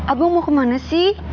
abang mau kemana sih